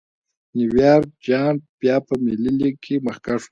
نیویارک جېانټ بیا په ملي لېګ کې مخکښ و.